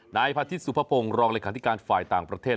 นายพระอาทิตย์สุภพงศ์รองรายความธิการฝ่ายต่างประเทศ